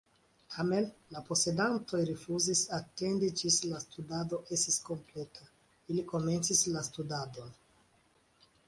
Tamen, la posedantoj rifuzis atendi ĝis la studado estis kompleta: ili komencis la konstruadon!